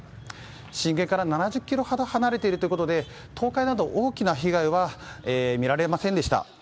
震源から７０ｋｍほど離れているということで倒壊など大きな被害はみられませんでした。